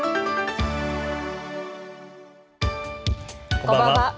こんばんは。